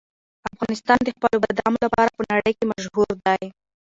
افغانستان د خپلو بادامو لپاره په نړۍ کې مشهور دی.